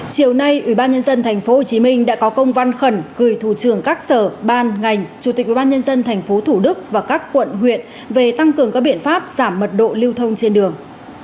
chiều nay ubnd tp hcm đã có công văn khẩn gửi thủ trưởng các sở ban ngành chủ tịch ubnd tp thủ đức và các quận huyện về tăng cường các biện pháp giảm mật độ lưu thông trên đường